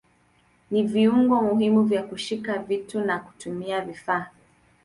Ni viungo muhimu kwa kushika vitu na kutumia vifaa.